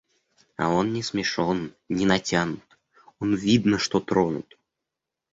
А он не смешон, не натянут, он видно, что тронут.